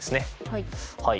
はい。